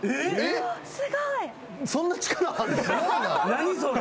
何それ？